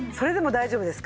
大丈夫です！